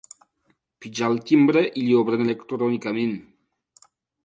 Pitja el timbre i li obren electrònicament.